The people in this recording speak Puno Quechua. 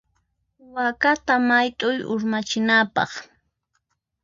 Wakata mayt'uy urmachinapaq.